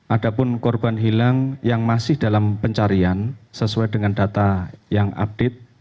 ada pun korban hilang yang masih dalam pencarian sesuai dengan data yang update